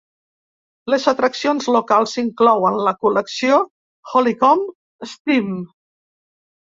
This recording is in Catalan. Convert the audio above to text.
Les atraccions locals inclouen la col·lecció "Hollycombe Steam".